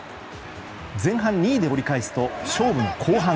前半２位で折り返すと勝負の後半。